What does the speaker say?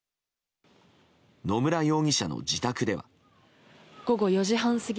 野村容疑者の自宅では。